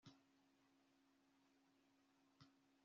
ariko kuko bwari butangiye kwira kandi nta modoka